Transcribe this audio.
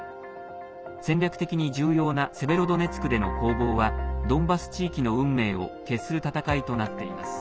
戦略的に重要なセベロドネツクでの攻防はドンバス地域の運命を決する戦いとなっています。